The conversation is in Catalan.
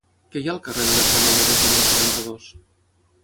Què hi ha al carrer de les Ramelleres número setanta-dos?